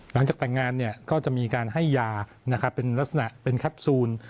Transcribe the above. หลังจากแต่งงานก็จะมีการให้ยาเป็นลักษณะเป็นแคปซูล